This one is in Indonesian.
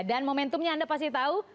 dan momentumnya anda pasti tahu